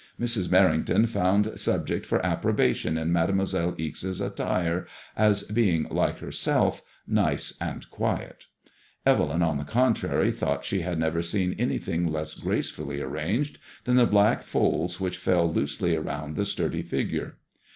Mrs. Merrington found subject for approbation in Mademoiselle Ixe's attire as being, like herself, nice and quiet" Evel)m, on the contrary, thought she had never seen any thing less gracefully arranged than the black folds which fell loosely round the sturdy figure.